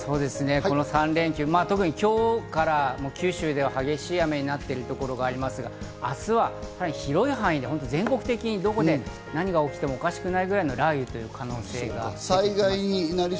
この３連休、特に今日から九州では激しい雨になっているところがありますが、明日は広い範囲で全国的にどこで何が起きてもおかしくないぐらいの雷雨の可能性があります。